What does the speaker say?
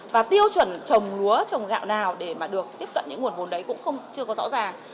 và tiêu chuẩn trồng lúa trồng gạo nào để mà được tiếp cận những nguồn vốn đấy cũng chưa có rõ ràng